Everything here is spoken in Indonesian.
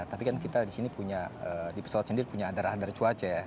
tapi kan kita di sini punya di pesawat sendiri punya ada radar cuaca ya